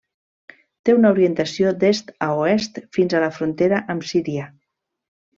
Té una orientació d'est a oest fins a la frontera amb Síria.